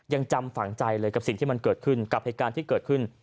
ยังจำฝังใจเลยกับสิ่งที่มันเกิดขึ้นกับเหตุการณ์ที่เกิดขึ้น